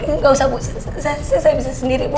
nggak usah bu saya bisa sendiri bu